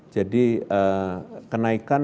jadi kenaikan kasus ini